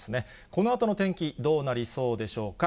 このあとの天気、どうなりそうでしょうか。